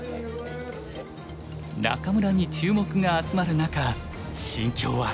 仲邑に注目が集まる中心境は。